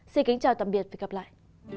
xin kính chào tạm biệt và gặp lại